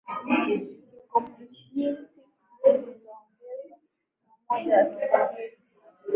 kikomunisti zilizoongozwa na Umoja wa Kisovyeti